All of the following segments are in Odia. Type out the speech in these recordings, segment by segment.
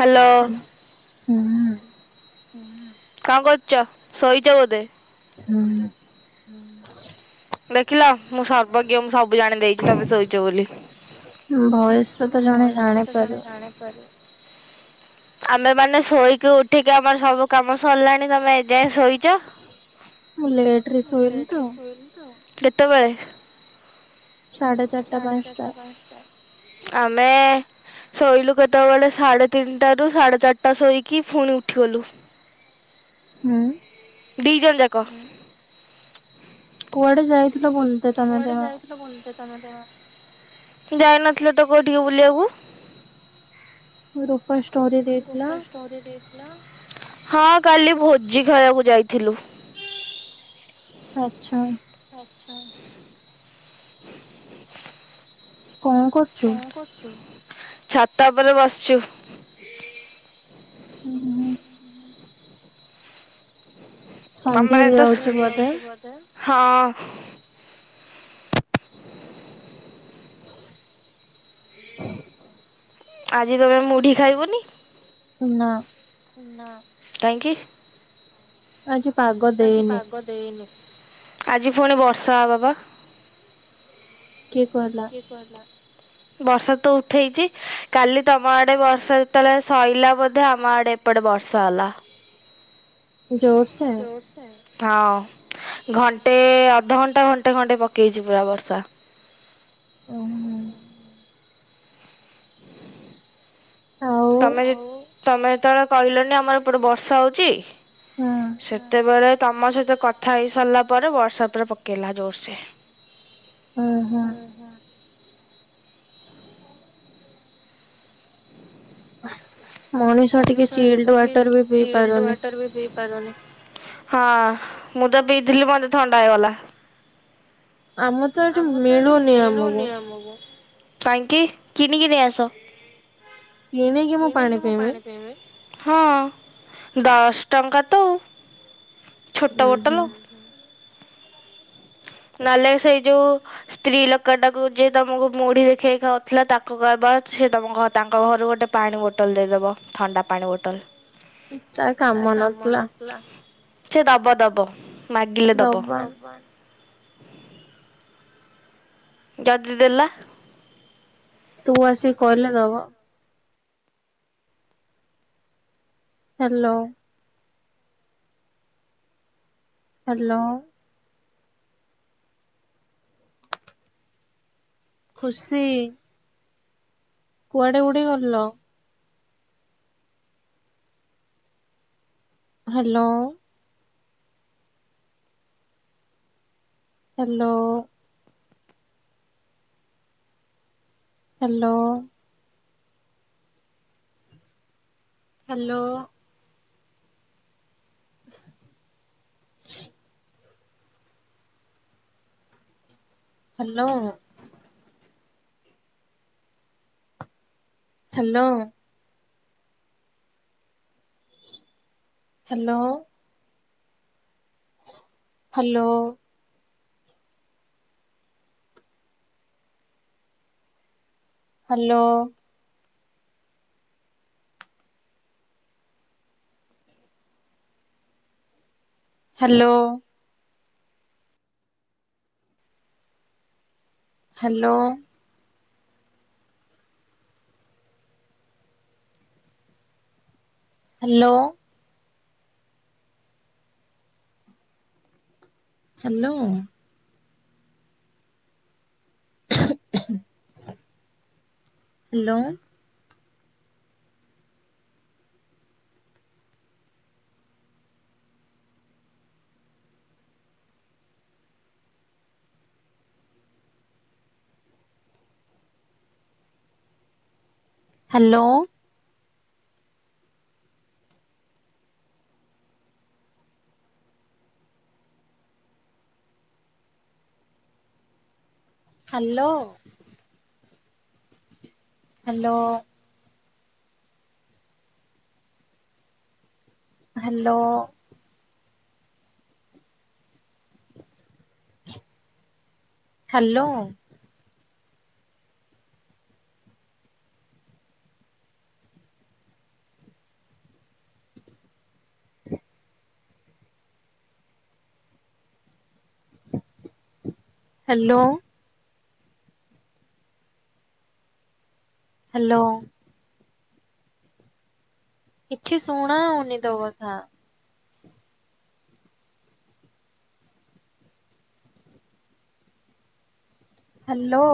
ହ୍ୟାଲୋ। ହୁଁ। କଣ କରୁଛ ଶୋଇଛ ବୋଧେ? ହୁଁ। ଦେଖିଲ ମୁଁ ସର୍ବଜ୍ଞ ମୁଁ ସବୁ ଜାଣି ଦେଇଛି ତମେ ଶୋଇଛ ବୋଲି। ଭଏସ୍ ଭୟସରେତ ଜଣେ ଜାଣିପାର। ଆମେ ମାନେ ଶୋଇକି ଉଠିକି ଆମର ସବୁ କାମ ସରିଲାଣି ତମେ ଏଯାଏଁ ଶୋଇଚ। ମୁଁ ଲେଟ୍ରି ଶୋଇନିତ ସୋଇନିତ କେତେବେଳେ? ସାଢ଼େ ଚାରିଟା ପାଞ୍ଚଟା। ପାସ୍ଟା ଆମେ ଶୋଇଲୁ କେତେବେଳେ ସାଢେ ତିନିଟାରୁ ସାଢେ ଚାରିଟା ଶୋଇକି ପୁଣି ଉଠିଗଲୁ। [inaudible] ହୁଁ। ଡିିଜଣ ଯାକ। କୁଆଡ଼େ ଯାଇଥିଲ ବନ୍ କୁଆଡ଼େ ଯାଇଥିଲ ମ ତମ ଯାଇନଥିଲୁତ କୋଉଠିକୁ ବୁଲିବାକୁ। ରୂପା ଷ୍ଟୋରି ଦେଇଥିଲା। ଷ୍ଟୋରି ହଁ କାଲି ଭୋଜି ଖାଇବାକୁ ଯାଇଥିଲୁ। ଆଚ୍ଛା। ଆଚ୍ଛା। କଁ କ କଁ କରୁଚୁ ଛାତ ଉପରେ ବସିଚୁ। ଉଁ ହୁଁ। ସନ୍ଧ୍ୟା ତମେ ଏତେ ଦିଆହଉଛି ଶୋଇ ଯାଉଚ ବୋଧେ ହଁ। [inaudible] ଆଜି ତମେ ମୁଢି ଖାଇବନି ନା ନାଁ କାଇଁକି? ଆଜି ପାଗ ଆଜି ଦେଇନି ପାଗ ଦେଇନି ଆଜି ପୁଣି ବର୍ଷା ହବପା। କିଏ କହିଲା? କିଏ କହିଲା? ବର୍ଷାତ ଉଠେଇଚି କାଲି ତମ ଆଡ଼େ ବର୍ଷା ଯେତେବେଳେ ସଇଁଲା ବୋଧେ ଆମ ଆଡ଼େ ଏପଟେ ବର୍ଷା ହେଲା। ଜୋର୍ସ୍ ଜୋର୍ ସେ? ହଁ ଘଣ୍ଟେ ଅଧଘଣ୍ଟା ଘଣ୍ଟେ ଘଣ୍ଟେ ପକେଇଚି ପୁରା ବର୍ଷା। ଓହୋ ଆଉ ତମେ ଯ ତମେ ଯେତେବେଳେ କହିଲନି ଆମର ଏପଟେ ବର୍ଷା ହଉଚି ହଁ ସେତେବେଳେ ତମ ସହିତ କଥା ହେଇ ସାରିଲା ପରେ ବର୍ଷା ପୁରା ପକେଇଲା ଜୋରସେ। ଉଁ ହୁଁ। ମଣିଷ ଟିକେ ଚିଲ୍ଡ ୱାଟରବି ପିପାରୁନି। ପିପାରୁନି ହଁ ମୁଁତ ପିଥିଲି ମତେ ଥଣ୍ଡା ହେଇଗଲା। ଆମ ଆମରତ ଏଠି ମିଳୁନି ଆମକୁ କାଇଁକି କିଣିକି ନେଇ ଆସ। କିଣିକି ମୁଁ ପାଣି ପିଇମି? ହଁ ଦଶ ଟଙ୍କାତ ଛୋଟ ଉଁ ହୁଁ। ବୋଟଲ। ନହେଲେ ସେଇ ଯୋଉ ସ୍ତ୍ରୀ ଲୋକ ଟାକୁ ଯିଏ ତମକୁ ମୁଢି ଦେଖେଇ ଖାଉଥିଲା ତାଙ୍କ କହିବ ସେ ତମ ତାଙ୍କ ଘରୁ ଗୋଟେ ପାଣି ବୋଟଲ ଦେଇଦେବ ଥଣ୍ଡା ପାଣି ବୋଟଲ୍। ତା କାମ ନଥିଲା ସେ ଦବ ଦବ। ମାଗିଲେ ଦେବ। ଦବା ଦବ ଯଦିଦେଲା? ତୁ ଆସିକି କହିଲେ ଦବ। ହ୍ୟାଲୋ। ହ୍ୟାଲୋ। ଖୁସି। କୁଆଡେ ଉଡିଗଲ? Hello. Hello. Hello. Hello. Hello. Hello. Hello. Hello. Hello. Hello. Hello. Hello. Hello. Hello. Hello. Hello. Hello. Hello. Hello. Hello. Hello. କିଛି ଶୁଣାଯାଉନି ତୋ କଥା। ହ୍ୟାଲୋ।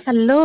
ହ୍ୟାଲୋ।